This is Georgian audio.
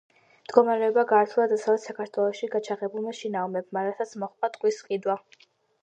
მდგომარეობა გაართულა დასავლეთ საქართველოში გაჩაღებულმა შინაომებმა, რასაც მოჰყვა ტყვის სყიდვა.